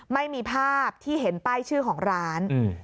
ไม่มีภาพที่เห็นป้ายชื่อของร้าน